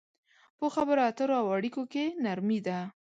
په خبرو اترو او اړيکو کې نرمي ده.